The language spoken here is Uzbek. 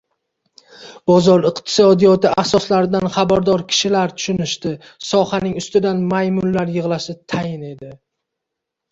Bozor iqtisodiyoti asoslaridan xabardor kishilar tushunishdi – sohaning ustidan «maymunlar yig‘lashi» tayin edi.